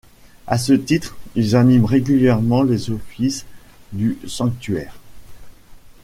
À ce titre, ils animent régulièrement les offices du sanctuaire.